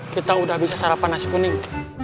kita udah bisa sarapan nasi kuning